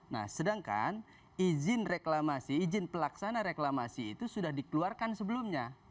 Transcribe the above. nah sedangkan izin reklamasi izin pelaksana reklamasi itu sudah dikeluarkan sebelumnya